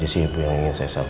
eh siapa yang sakit om